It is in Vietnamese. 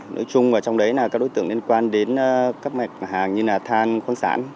nối chung trong đấy là các đối tượng liên quan đến các mặt hàng như là than khoáng sản